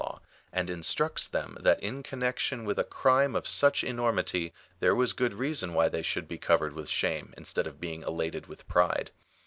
43 a mother in law, and instructs tliem that in connexion with a crime of such enormity, there was good reason why they should be covered with shame, instead of being elated with pride.